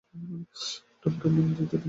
Tom কেমন দেখতে সেটা আপনি জানেন?